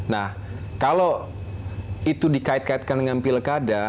nah kalau itu dikait kaitkan dengan pilkada